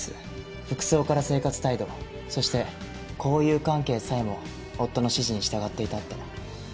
服装から生活態度そして交友関係さえも夫の指示に従っていたって。